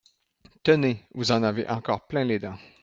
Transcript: Tenez ! vous en avez encore plein les dents.